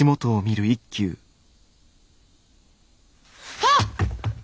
あっ！